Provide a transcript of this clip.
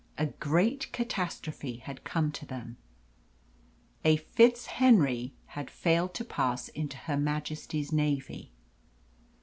A great catastrophe had come to them. A FitzHenry had failed to pass into her Majesty's Navy.